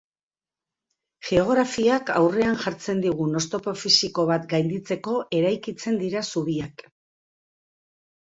Geografiak aurrean jartzen digun oztopo fisiko bat gainditzeko eraikitzen dira zubiak.